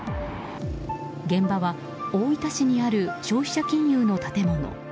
現場は大分市にある消費者金融の建物。